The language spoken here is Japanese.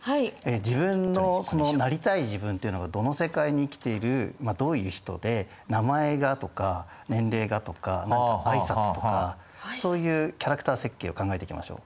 自分のなりたい自分っていうのがどの世界に生きているどういう人で名前がとか年齢がとか挨拶とかそういうキャラクター設計を考えていきましょう。